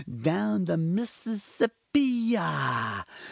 down the Mississippi ah!